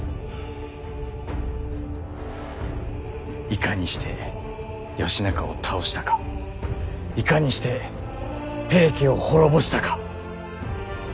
いかにして義仲を倒したかいかにして平家を滅ぼしたか。